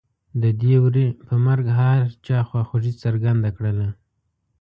د دې وري په مرګ هر چا خواخوږي څرګنده کړله.